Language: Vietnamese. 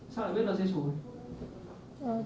sao lại biết là xê sủi